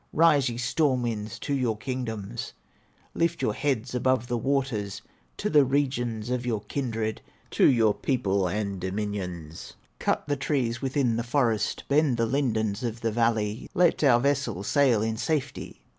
Rise, ye storm winds, to your kingdoms, Lift your heads above the waters, To the regions of your kindred, To your people and dominions; Cut the trees within the forest, Bend the lindens of the valley, Let our vessel sail in safety!"